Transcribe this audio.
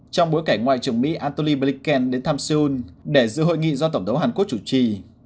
trong bối cảnh ngoại trưởng mỹ antony blikken đến thăm seoul để dự hội nghị do tổng thống hàn quốc chủ trì